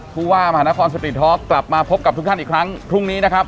ผู้ว่ามหานครสตรีท็อกกลับมาพบกับทุกท่านอีกครั้งพรุ่งนี้นะครับ